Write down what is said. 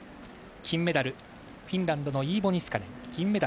金メダル、フィンランドのイーボ・ニスカネン。